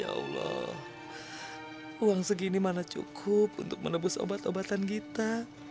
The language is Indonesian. ya allah uang segini mana cukup untuk menebus obat obatan kita